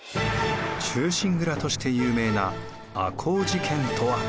「忠臣蔵」として有名な赤穂事件とは？